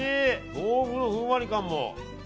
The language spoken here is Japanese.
豆腐のふんわり感も。